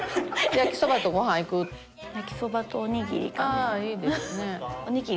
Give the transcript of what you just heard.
ああいいですね。